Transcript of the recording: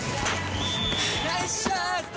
ナイスシュート！